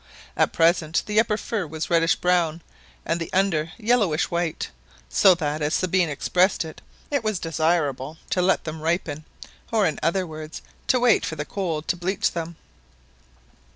At present the upper fur was reddish brown and the under yellowish white, so that, as Sabine expressed it, it was desirable to let them " ripen," or, in other words, to wait for the cold to bleach them.